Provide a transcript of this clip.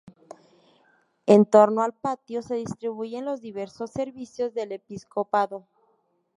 En torno al patio se distribuyen los diversos servicios del episcopado.